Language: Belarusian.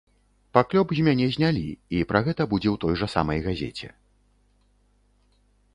Паклёп з мяне знялі, і пра гэта будзе ў той жа самай газеце.